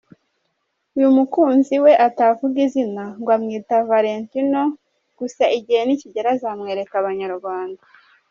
Uyu mukunzi we atavuga izina, ngo amwita Valentino, gusa igihe nikigera azamwereka Abanyarwanda.